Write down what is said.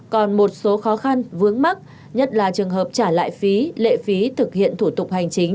còn một số khó khăn vướng mắt nhất là trường hợp trả lại phí lệ phí thực hiện thủ tục hành chính